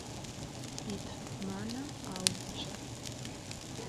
pit mana aucha